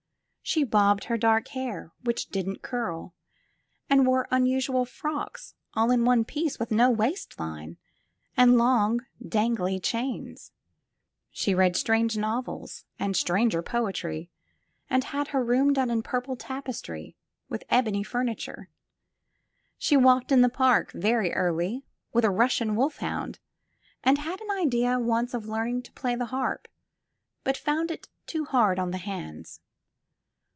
She bobbed her dark hair, which didn't curl, and wore unusual frocks all in one piece with no waistline, and long, dangly chains. She read strange novels and stranger poetry, and had her room done in purple tap estry with ebony furniture. She walked in the park, very early, with a Russian wolfhound, and had an idea once of learning to play the harp, but found it too hard on the hands.